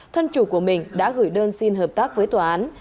thân chủ của mình đã gửi đơn xin hợp tác với tòa án